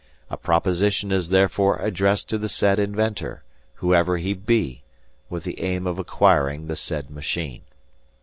"A proposition is therefore addressed to the said inventor, whoever he be, with the aim of acquiring the said machine.